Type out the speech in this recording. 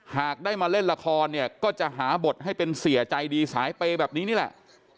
หากได้มาเล่นละครเนี่ยก็จะหาบทให้เป็นเสียใจดีสายเปย์แบบนี้นี่แหละ